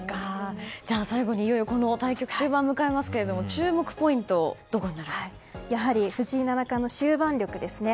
最後にいよいよこの対局終盤を迎えますがやはり藤井七冠の終盤力ですね。